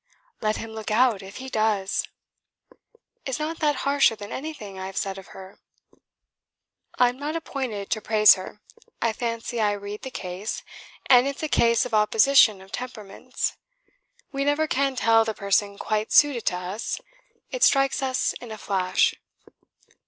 "Let him look out if he does!" "Is not that harsher than anything I have said of her?" "I'm not appointed to praise her. I fancy I read the case; and it's a case of opposition of temperaments. We never can tell the person quite suited to us; it strikes us in a flash."